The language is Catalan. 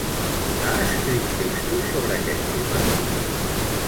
Ha escrit textos sobre aquest tema?